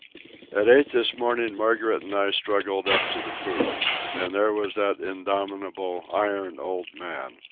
At eight this morning Margaret and I struggled up to the poop. And there was that indomitable, iron old man.